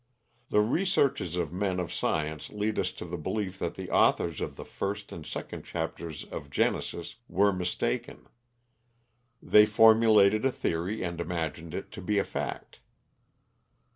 The researches of men of science lead us to the belief that the authors of the first and second chapters of Genesis were mistaken. They formulated a theory and imagined it to be a fact.